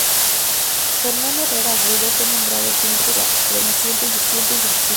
Fernando Herrera Agudo fue nombrado el primer presidente de la naciente institución.